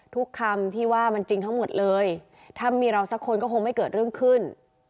คำที่ว่ามันจริงทั้งหมดเลยถ้ามีเราสักคนก็คงไม่เกิดเรื่องขึ้น